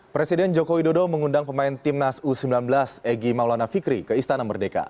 presiden joko widodo mengundang pemain timnas u sembilan belas egy maulana fikri ke istana merdeka